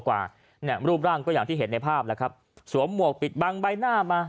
กว่าเนี่ยรูปร่างก็อย่างที่เห็นในภาพแล้วครับสวมหมวกปิดบังใบหน้ามา